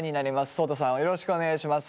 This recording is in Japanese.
そうたさんよろしくお願いします。